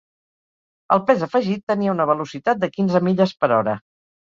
El pes afegit tenia una velocitat de quinze milles per hora.